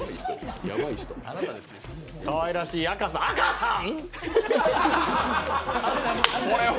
かわいらしい赤さん赤さん？